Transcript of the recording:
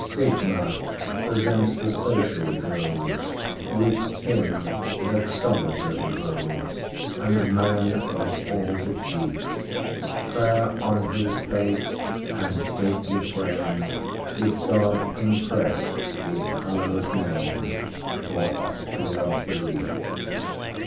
Sigma presents the social drovesWith him that solitary roves, And man of all the chief; Fair on whose face, and stately frame, Did God impress His hallowed name, For ocular belief.